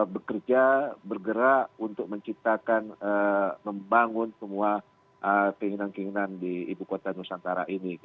bekerja bergerak untuk menciptakan membangun semua keinginan keinginan di ibu kota nusantara ini